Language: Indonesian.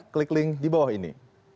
klik link di bawah ini